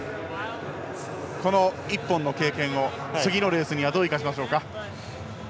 この１本の経験を次のレースにはどう生かしましょうか。